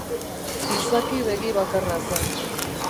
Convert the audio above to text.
Izaki begibakarra zen.